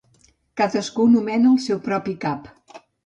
Cadascun nomena el seu propi cap.